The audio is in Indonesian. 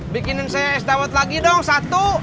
bikinin saya es dawet lagi dong satu